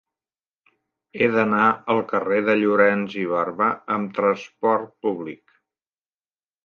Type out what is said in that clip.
He d'anar al carrer de Llorens i Barba amb trasport públic.